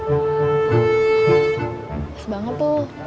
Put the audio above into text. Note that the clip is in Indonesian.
pas banget tuh